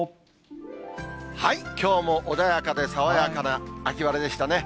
きょうも穏やかで爽やかな秋晴れでしたね。